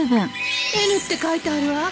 「Ｎ」って書いてあるわ。